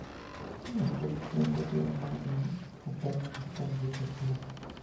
No se puede utilizar en cualquier automóvil sin antes modificar ciertas piezas.